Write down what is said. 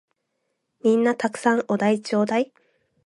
皆んな沢山お題ちょーだい！